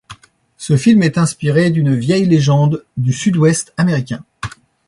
Ce film est inspiré d'une vieille légende du Sud-Ouest américain.